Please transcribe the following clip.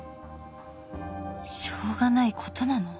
しょうがないことなの？